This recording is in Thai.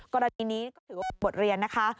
กรณีนี้ก็ถือว่าเป็นบทเรียนนะคะ